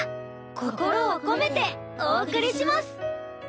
心を込めてお送りします。